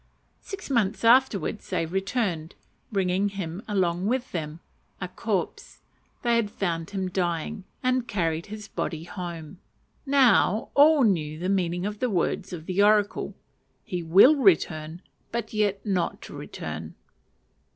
Six months afterwards they returned, bringing him along with them a corpse: they had found him dying, and carried his body home. Now all knew the meaning of the words of the oracle, "He will return, but yet not return."